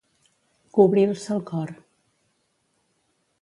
Cobrir-se el cor.